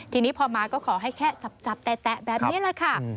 ทีนี้พอมาก็ขอให้แค่จับแตะแบบนี้แหละค่ะ